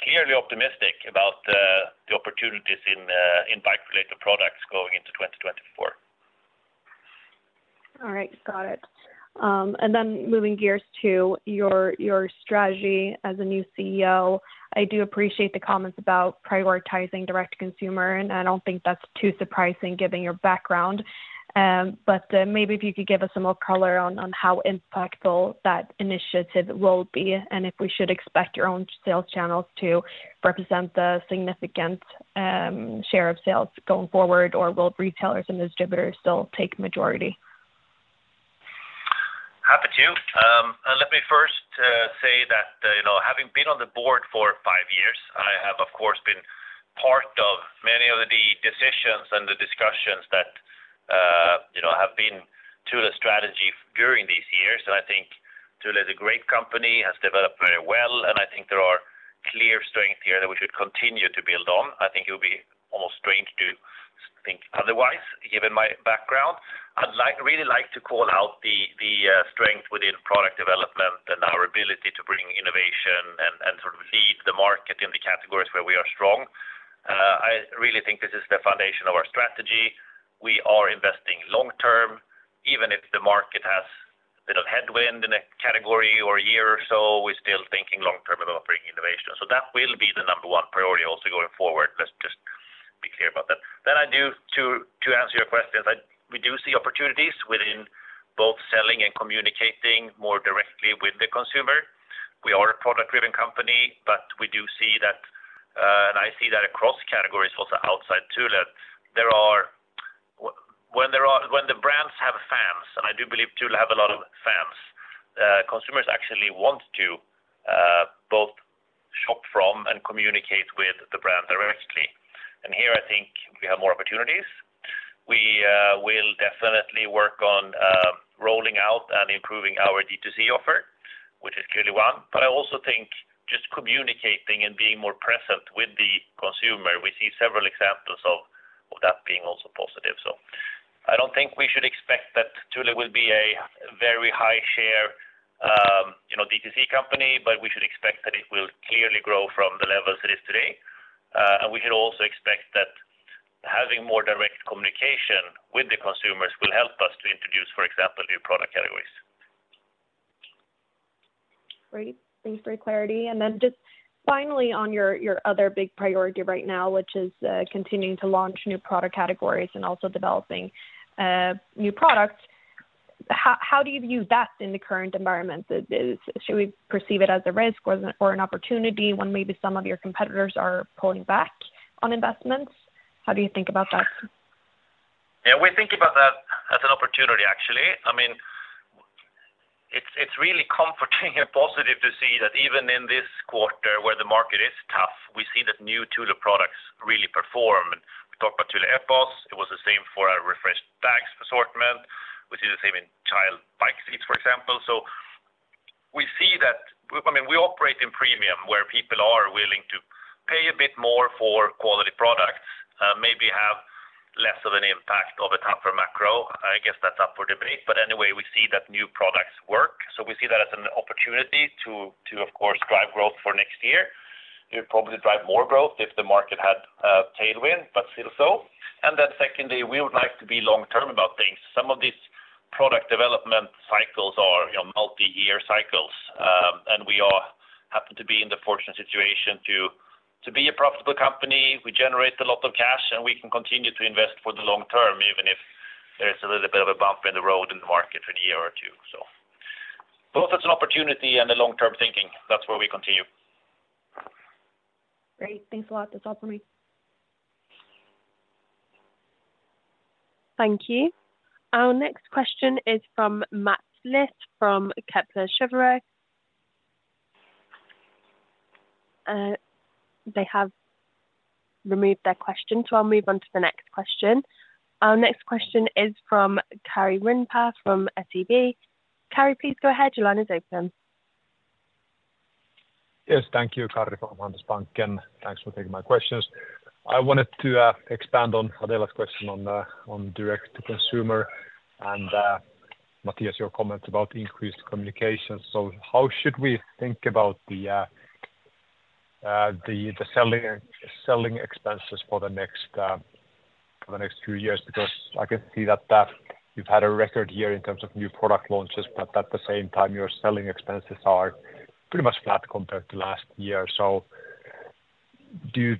clearly optimistic about the opportunities in bike-related products going into 2024. All right, got it. And then moving gears to your strategy as a new CEO, I do appreciate the comments about prioritizing direct consumer, and I don't think that's too surprising given your background. But then maybe if you could give us some more color on how impactful that initiative will be? And if we should expect your own sales channels to represent the significant share of sales going forward, or will retailers and distributors still take majority? Happy to. Let me first say that, you know, having been on the board for five years, I have, of course, been part of many of the decisions and the discussions that, you know, have been Thule strategy during these years. And I think Thule is a great company, has developed very well, and I think there are clear strength here that we should continue to build on. I think it would be almost strange to think otherwise, given my background. I'd like, really like to call out the strength within Product Development and our ability to bring innovation and sort of lead the market in the categories where we are strong. I really think this is the foundation of our strategy. We are investing long term, even if the market has a bit of headwind in a category or a year or so, we're still thinking long term about bringing innovation. So that will be the number one priority also going forward. Let's just be clear about that. Then, to answer your questions, we do see opportunities within both selling and communicating more directly with the consumer. We are a product-driven company, but we do see that, and I see that across categories also outside Thule, that when the brands have fans, and I do believe Thule have a lot of fans, consumers actually want to both shop from and communicate with the brand directly. And here, I think we have more opportunities. We will definitely work on rolling out and improving our D2C offer, which is clearly one. But I also think just communicating and being more present with the consumer, we see several examples of that being also positive. So I don't think we should expect that Thule will be a very high share, you know, D2C company, but we should expect that it will clearly grow from the levels it is today. And we should also expect that having more direct communication with the consumers will help us to introduce, for example, new product categories. Great. Thanks for your clarity. And then just finally on your other big priority right now, which is continuing to launch new product categories and also developing new products, how do you view that in the current environment? Should we perceive it as a risk or an opportunity when maybe some of your competitors are pulling back on investments? How do you think about that? Yeah, we think about that as an opportunity, actually. I mean, it's really comforting and positive to see that even in this quarter where the market is tough, we see that new Thule products really perform. We talked about Thule Epos, it was the same for our refreshed bags assortment. We see the same in child bike seats, for example. So we see that, I mean, we operate in premium, where people are willing to pay a bit more for quality products, maybe have less of an impact of a tougher macro. I guess that's up for debate. But anyway, we see that new products work, so we see that as an opportunity to, of course, drive growth for next year. It would probably drive more growth if the market had a tailwind, but still so. And then secondly, we would like to be long term about things. Some of these Product Development cycles are, you know, multi-year cycles, and we all happen to be in the fortunate situation to, to be a profitable company. We generate a lot of cash, and we can continue to invest for the long term, even if there is a little bit of a bump in the road in the market for a year or two. So both as an opportunity and a long-term thinking, that's where we continue. Great. Thanks a lot. That's all for me. Thank you. Our next question is from Mats Liss from Kepler Cheuvreux. They have removed their question, so I'll move on to the next question. Our next question is from Karri Rinta from Handelsbanken. Karri, please go ahead. Your line is open. Yes, thank you. Karri from Handelsbanken. Thanks for taking my questions. I wanted to expand on Adela's question on the direct to consumer and Mattias, your comment about increased communication. So how should we think about the selling expenses for the next two years? Because I can see that you've had a record year in terms of new product launches, but at the same time, your selling expenses are pretty much flat compared to last year. So do you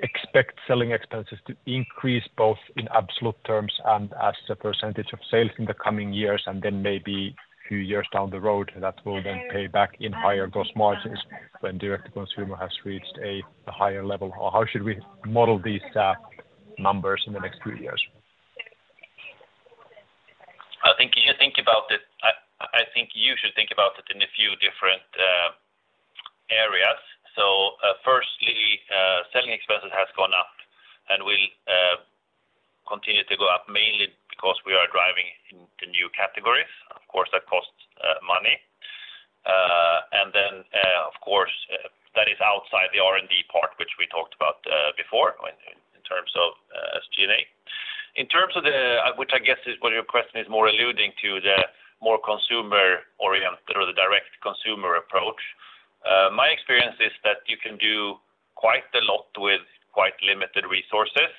expect selling expenses to increase both in absolute terms and as a percentage of sales in the coming years? And then maybe a few years down the road, that will then pay back in higher gross margins when direct to consumer has reached a higher level? Or how should we model these expenses numbers in the next few years? I think if you think about it, I think you should think about it in a few different areas. Firstly, selling expenses has gone up and will continue to go up, mainly because we are driving in the new categories. Of course, that costs money. And then, of course, that is outside the R&D part, which we talked about before, in terms of SG&A. In terms of the, which I guess is what your question is more alluding to, the more consumer-oriented or the direct consumer approach. My experience is that you can do quite a lot with quite limited resources,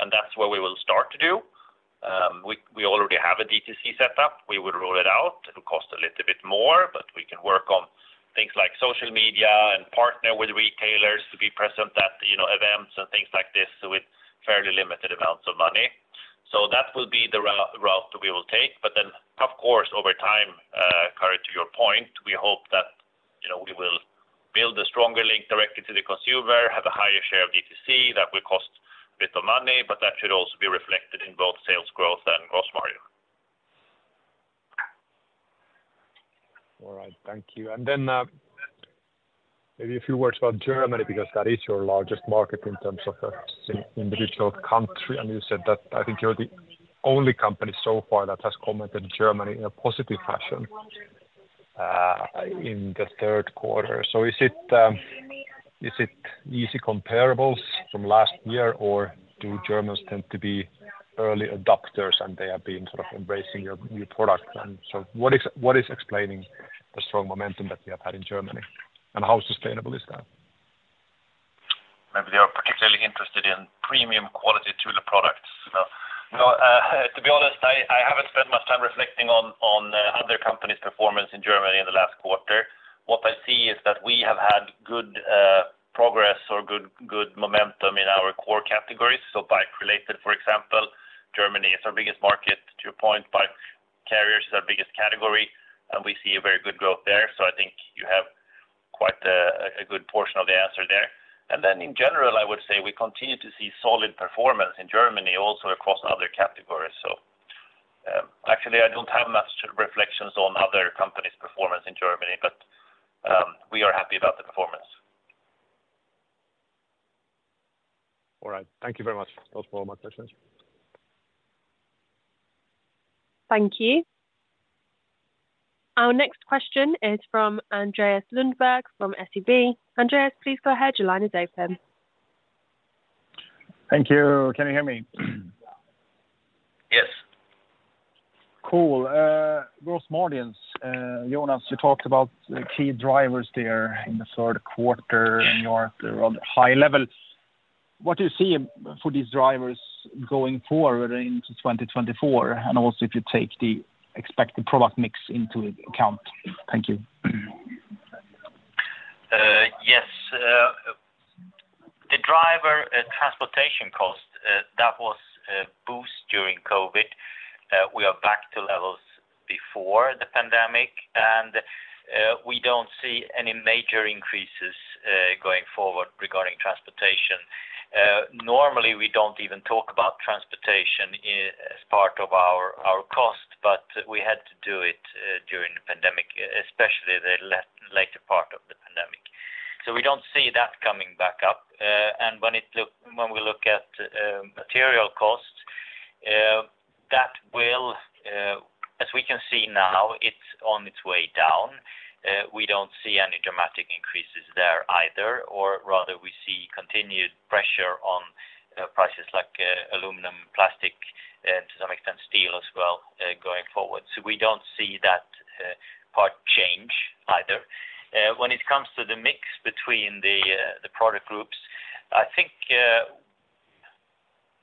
and that's where we will start to do. We already have a D2C set up. We will roll it out. It will cost a little bit more, but we can work on things like social media and partner with retailers to be present at, you know, events and things like this, so with fairly limited amounts of money. So that will be the route we will take. But then, of course, over time, Karri, to your point, we hope that, you know, we will build a stronger link directly to the consumer, have a higher share of D2C that will cost a bit of money, but that should also be reflected in both sales growth and gross margin. All right, thank you. And then, maybe a few words about Germany, because that is your largest market in terms of, individual country, and you said that I think you're the only company so far that has commented Germany in a positive fashion, in the third quarter. So is it, is it easy comparables from last year, or do Germans tend to be early adopters, and they have been sort of embracing your new product? And so what is, what is explaining the strong momentum that you have had in Germany? And how sustainable is that? Maybe they are particularly interested in premium quality Thule products. No, to be honest, I haven't spent much time reflecting on other companies' performance in Germany in the last quarter. What I see is that we have had good progress or good momentum in our core categories, so bike-related, for example. Germany is our biggest market to a point, bike carrier is our biggest category, and we see a very good growth there. So I think you have quite a good portion of the answer there. And then in general, I would say we continue to see solid performance in Germany, also across other categories. So, actually, I don't have much reflections on other companies' performance in Germany, but we are happy about the performance. All right. Thank you very much. Those were all my questions. Thank you. Our next question is from Andreas Lundberg, from SEB. Andreas, please go ahead. Your line is open. Thank you. Can you hear me? Yes. Cool, gross margins. Jonas, you talked about the key drivers there in the third quarter, and you are on high levels. What do you see for these drivers going forward into 2024? And also, if you take the expected product mix into account? Thank you. Yes. The driver, transportation cost, that was boost during COVID. We are back to levels before the pandemic, and we don't see any major increases going forward regarding transportation. Normally, we don't even talk about transportation as part of our cost, but we had to do it during the pandemic, especially the later part of the pandemic. So we don't see that coming back up. And when we look at material costs, that will, as we can see now, it's on its way down. We don't see any dramatic increases there either, or rather, we see continued pressure on prices like aluminum, plastic, to some extent, steel as well, going forward. So we don't see that part change either. When it comes to the mix between the product groups, I think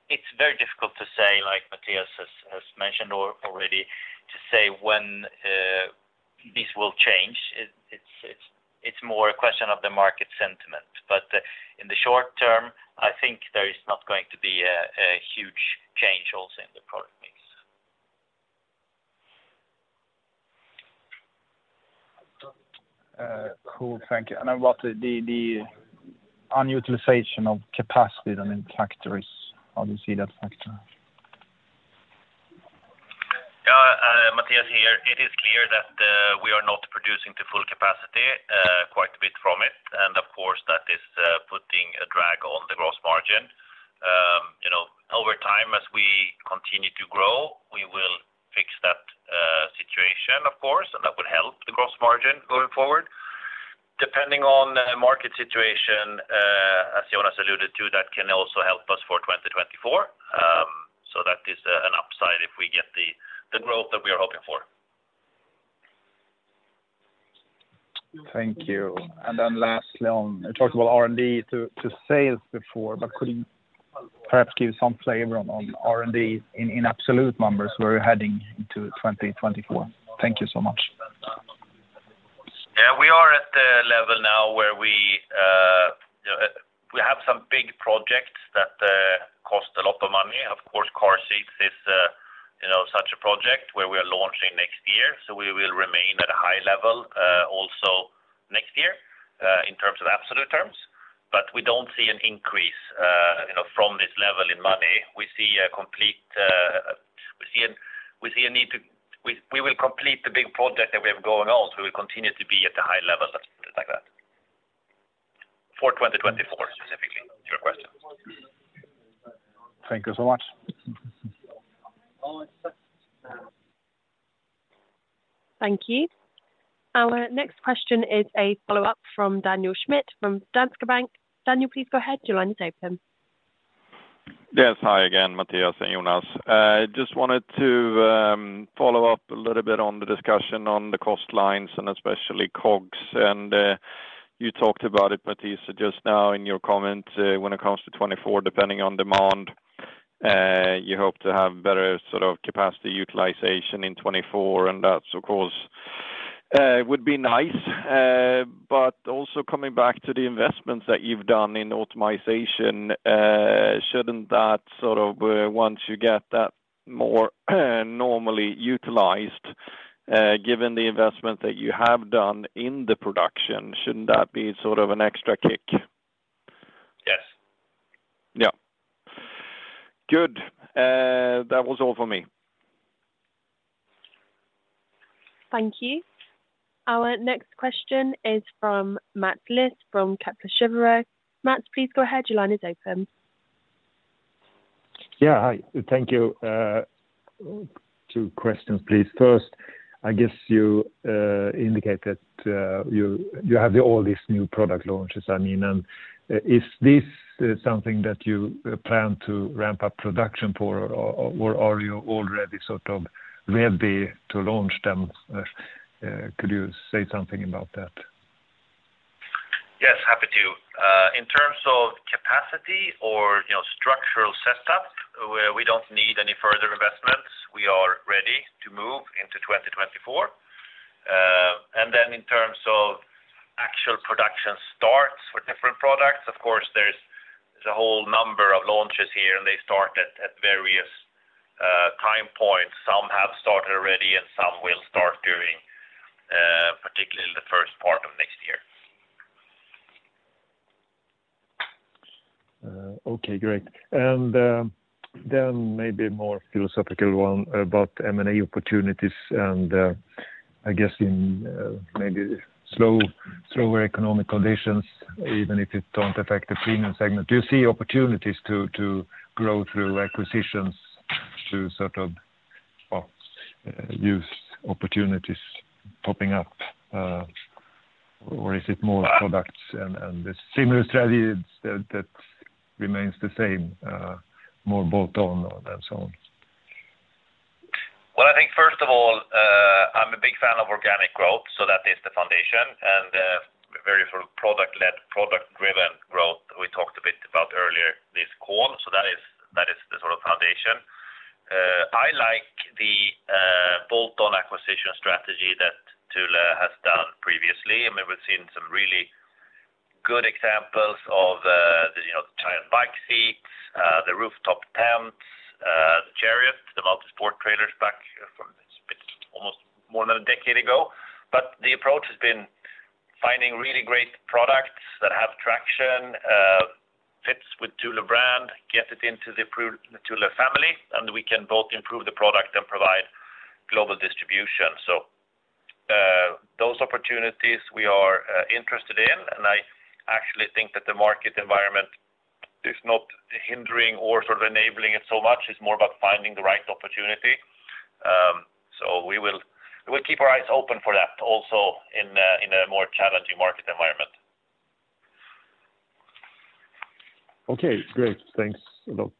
it's very difficult to say, like Mattias has mentioned already, to say when this will change. It's more a question of the market sentiment. But in the short term, I think there is not going to be a huge change also in the product mix. Cool, thank you. About the underutilization of capacity that in factories, how do you see that factor? Yeah, Mattias here. It is clear that we are not producing to full capacity quite a bit from it. And of course, that is putting a drag on the gross margin. You know, over time, as we continue to grow, we will fix that situation, of course, and that would help the gross margin going forward. Depending on the market situation, as Jonas alluded to, that can also help us for 2024. So that is an upside if we get the growth that we are hoping for. Thank you. Then lastly, on you talked about R&D to sales before, but could you perhaps give some flavor on R&D in absolute numbers, where we're heading into 2024? Thank you so much. Yeah, we are at the level now where we, you know, we have some big projects that cost a lot of money. Of course, car seats is, you know, such a project where we are launching next year, so we will remain at a high level, also next year, in terms of absolute terms. But we don't see an increase, you know, from this level in money. We see a need to. We will complete the big project that we have going on, so we will continue to be at a high level, let's put it like that. For 2024, specifically, to your question. Thank you so much. Thank you. Our next question is a follow-up from Daniel Schmidt from Danske Bank. Daniel, please go ahead. Your line is open. Yes, hi again, Mattias and Jonas. Just wanted to follow up a little bit on the discussion on the cost lines and especially COGS. And, you talked about it, Mattias, just now in your comment, when it comes to 2024, depending on demand, you hope to have better sort of capacity utilization in 2024, and that, of course, would be nice. But also coming back to the investments that you've done in optimization, shouldn't that sort of, once you get that more, normally utilized, given the investment that you have done in the production, shouldn't that be sort of an extra kick? Yes. Yeah. Good. That was all for me. Thank you. Our next question is from Mats Liss from Kepler Cheuvreux. Mats, please go ahead. Your line is open. Yeah, hi. Thank you. Two questions, please. First, I guess you indicate that you have all these new product launches, I mean, and is this something that you plan to ramp up production for, or are you already sort of ready to launch them? Could you say something about that? Yes, happy to. In terms of capacity or, you know, structural setup, where we don't need any further investments, we are ready to move into 2024. And then in terms of actual production starts for different products, of course, there's a whole number of launches here, and they start at various time points. Some have started already, and some will start during, particularly in the first part of next year. Okay, great. And, then maybe a more philosophical one about M&A opportunities, and, I guess in, maybe slow, slower economic conditions, even if it don't affect the premium segment, do you see opportunities to, to grow through acquisitions, to sort of, use opportunities popping up? Or is it more products and, and the similar strategies that, that remains the same, more bolt on and so on? Well, I think first of all, I'm a big fan of organic growth, so that is the foundation, and, very sort of product-led, product-driven growth we talked a bit about earlier this call. So that is, that is the sort of foundation. I like the, bolt-on acquisition strategy that Thule has done previously. I mean, we've seen some really good examples of, the, you know, the child bike seats, the rooftop tents, the chariot, the multisport trailers back from a bit, almost more than a decade ago. But the approach has been finding really great products that have traction, fits with Thule Brand, get it into the Thule Family, and we can both improve the product and provide global distribution. So, those opportunities we are interested in, and I actually think that the market environment is not hindering or sort of enabling it so much. It's more about finding the right opportunity. So we will keep our eyes open for that also in a more challenging market environment. Okay, great. Thanks a lot.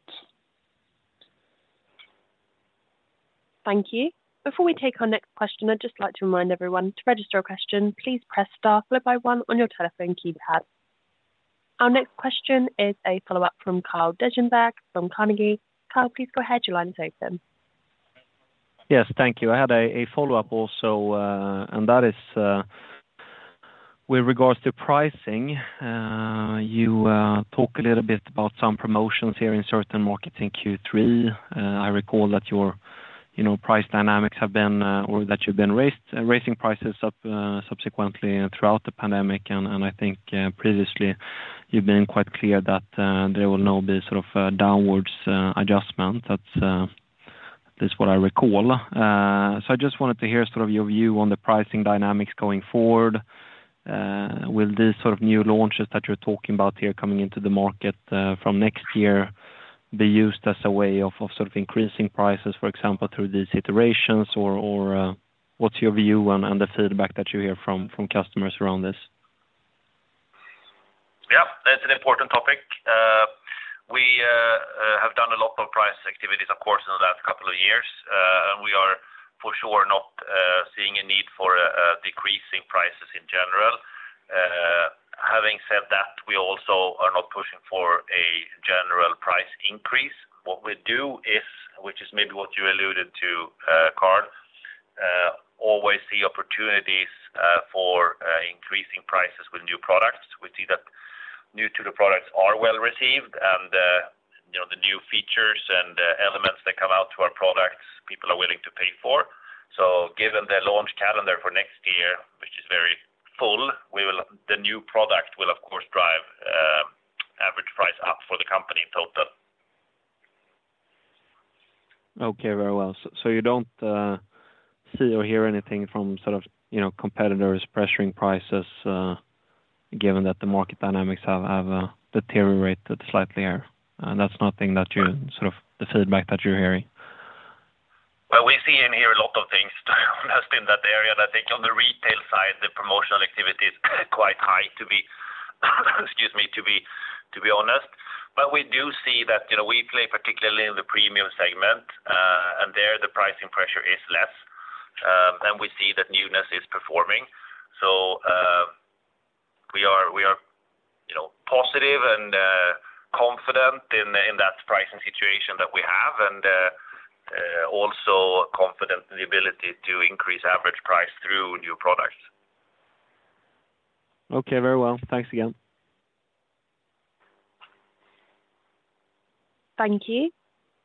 Thank you. Before we take our next question, I'd just like to remind everyone, to register a question, please press star followed by one on your telephone keypad. Our next question is a follow-up from Carl Deijenberg from Carnegie. Carl, please go ahead. Your line is open. Yes, thank you. I had a follow-up also, and that is, with regards to pricing. You talk a little bit about some promotions here in certain markets in Q3. I recall that your, you know, price dynamics have been, or that you've been raising prices up, subsequently throughout the pandemic, and I think, previously you've been quite clear that, there will not be sort of a downward adjustment. That's what I recall. So I just wanted to hear sort of your view on the pricing dynamics going forward. Will these sort of new launches that you're talking about here coming into the market, from next year, be used as a way of sort of increasing prices, for example, through these iterations? Or, what's your view and the feedback that you hear from customers around this? Yeah, that's an important topic. We have done a lot of price activities, of course, in the last couple of years, and we are for sure not seeing a need for a decrease in prices in general. Having said that, we also are not pushing for a general price increase. What we do is, which is maybe what you alluded to, Carl, always see opportunities for increasing prices with new products. We see that new Thule products are well-received, and, you know, the new features and elements that come out to our products, people are willing to pay for. So given the launch calendar for next year, which is very full, we will, the new product will of course drive average price up for the company in total. Okay, very well. So you don't see or hear anything from sort of, you know, competitors pressuring prices, given that the market dynamics have deteriorated slightly here, and that's nothing that you sort of the feedback that you're hearing? Well, we see in here a lot of things, just in that area, that I think on the retail side, the promotional activity is quite high, to be honest. But we do see that, you know, we play, particularly in the premium segment, and there, the pricing pressure is less, and we see that newness is performing. So, we are, you know, positive and confident in that pricing situation that we have, and also confident in the ability to increase average price through new products. Okay, very well. Thanks again. Thank you.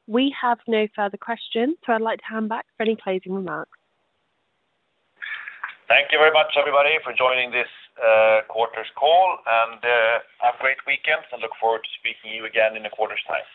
We have no further questions, so I'd like to hand back for any closing remarks. Thank you very much, everybody, for joining this quarter's call, and have a great weekend. I look forward to speaking to you again in a quarter's time.